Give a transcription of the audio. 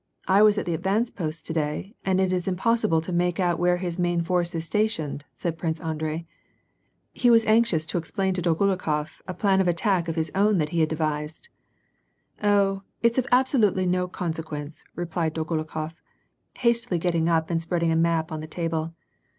I was at the advanced posts to day, and it is impossible to make out where his main force is stationed," said Prince Andrei. He was anxious to explain to Dolgorukof a plan of attack of his own that he had devised. "Oh, it is of absolutely no consequence," replied Dolgo rukof, hastily getting up and spreading a map on the table.